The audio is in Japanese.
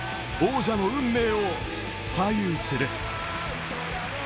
王者の運命を左右する。